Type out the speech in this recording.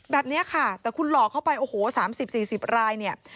แบบนี้ค่ะแต่คุณหลอกเข้าไปโอ้โห๓๐๔๐รายเนี่ย